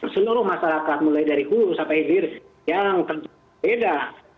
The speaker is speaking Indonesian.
seluruh masyarakat mulai dari hulu sampai hilir yang tentu beda